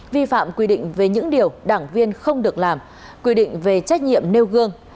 vi phạm quy định về những điều đảng viên không được làm quy định về trách nhiệm nêu gương